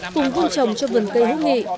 cùng vương trồng cho vườn cây hữu nghị